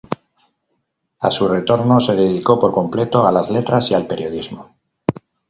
A su retorno se dedicó por completo a las letras y al periodismo.